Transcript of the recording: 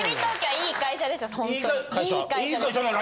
いい会社。